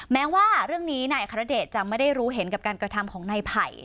แม้ว่าเรื่องนี้นายอัครเดชจะไม่ได้รู้เห็นกับการกระทำของนายไผ่